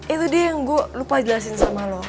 itu dia yang gue lupa jelasin sama lo